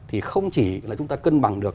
thì không chỉ là chúng ta cân bằng được